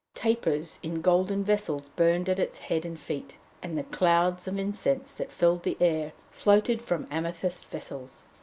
Tapers in golden vessels burned at its head and feet, and the clouds of incense that filled the air floated from amethyst vessels.